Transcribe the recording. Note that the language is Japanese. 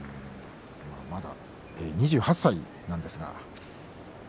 まだ２８歳なんですが。